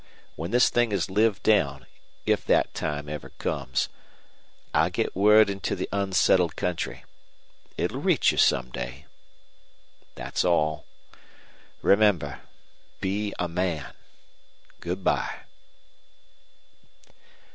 When this thing is lived down, if that time ever comes, I'll get word into the unsettled country. It'll reach you some day. That's all. Remember, be a man. Goodby."